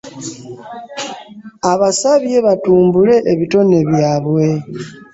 Abasabye batumbule ebitone byabwe